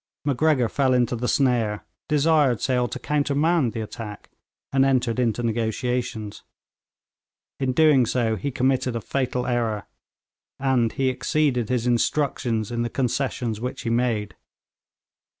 Macgregor fell into the snare, desired Sale to countermand the attack, and entered into negotiations. In doing so he committed a fatal error, and he exceeded his instructions in the concessions which he made.